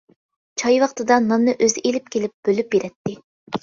چاي ۋاقتىدا ناننى ئۆزى ئېلىپ كېلىپ بۆلۈپ بېرەتتى.